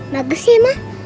bagus ya ma